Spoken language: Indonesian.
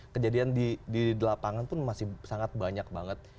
kejadian di lapangan pun masih sangat banyak banget